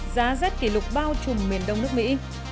giá rét kỷ lục bao trùm miền đông nước mỹ